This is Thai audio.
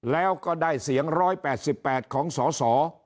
แล้วก็ได้เสียงร้อยแปดสิบแปดของสอสอ